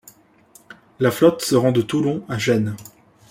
La flotte se rend de Toulon à Gênes.